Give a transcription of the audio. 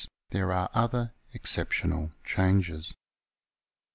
there are other exceptional changes.